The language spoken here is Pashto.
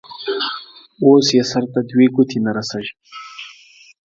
اوس يې سر ته دوې گوتي نه رسېږي.